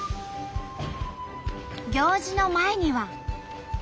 行事の前には。